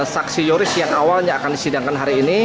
saksi yoris yang awalnya akan disidangkan hari ini